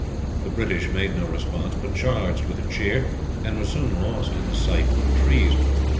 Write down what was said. The British made no response; but charged, with a cheer, and were soon lost to sight in the trees.